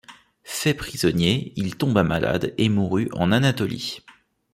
Fait prisonnier, il tomba malade et mourut en Anatolie.